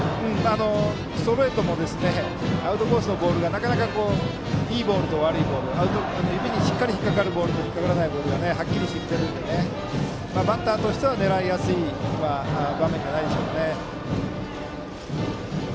ストレートもアウトコースのボールがいいボールと悪いボール指にしっかり引っかかるボールとそうではないボールがはっきりしてきているのでバッターとしては狙いやすい場面じゃないでしょうかね。